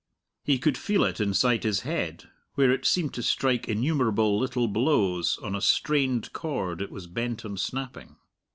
He could feel it inside his head, where it seemed to strike innumerable little blows on a strained chord it was bent on snapping.